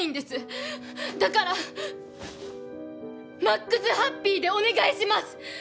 だからマックスハッピーでお願いします！